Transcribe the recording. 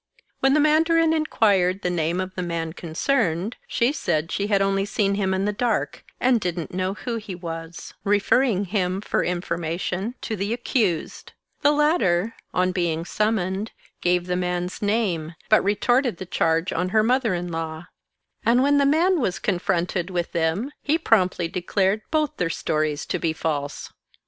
When the mandarin inquired the name of the man concerned, she said she had only seen him in the dark and didn't know who he 134 Another Sotomon was, referring him for information to the accused. The latter, on being summoned, gave the man's name, but re torted the charge on her mother in law ; and when the man was confronted with them, he promptly declared both their stories to be false.